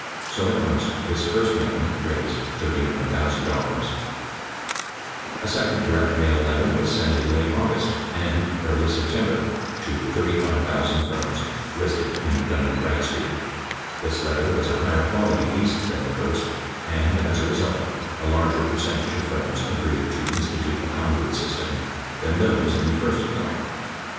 So, at most, this first mailing raised $39,000. A second direct mail letter was sent in late August and early Sep tember to 35,000 firms listed in Dun & Bradstreet. This letter was a higher quality piece than the first, and as a result, a larger percentage of firms agreed to institute a conduit system than those in the first mailing.